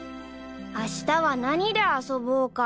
［あしたは何で遊ぼうか］